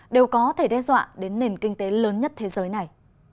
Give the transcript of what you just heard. đều có thể đe dọa đến nền kinh tế lớn nhất thế giới này